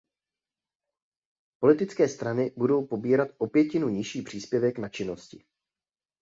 Politické strany budou pobírat o pětinu nižší příspěvek na činnosti.